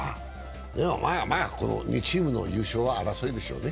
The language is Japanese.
でもまあまあ、この２チームの優勝争いでしょうね。